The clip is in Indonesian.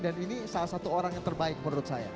dan ini salah satu orang yang terbaik menurut saya